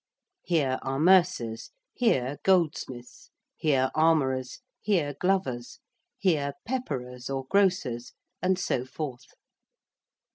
Here are mercers; here goldsmiths; here armourers; here glovers; here pepperers or grocers; and so forth.